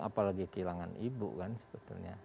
apalagi kehilangan ibu kan sebetulnya